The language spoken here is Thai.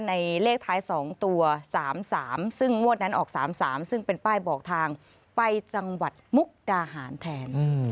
เลขท้าย๒ตัว๓๓ซึ่งงวดนั้นออก๓๓ซึ่งเป็นป้ายบอกทางไปจังหวัดมุกดาหารแทน